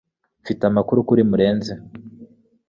Mfite amakuru kuri murenzi